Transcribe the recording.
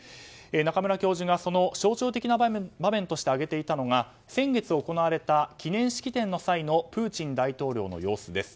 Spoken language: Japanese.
中村教授が象徴的な場面として挙げていたのが先月行われた記念式典の際のプーチン大統領の様子です。